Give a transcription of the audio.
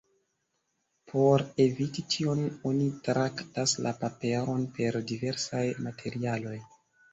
Por eviti tion, oni traktas la paperon per diversaj materialoj.